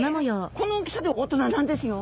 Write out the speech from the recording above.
この大きさで大人なんですよ。